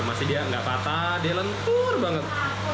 masih dia nggak patah dia lentur banget